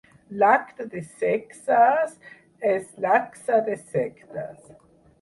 L'acte des sexes est l'axe des sectes.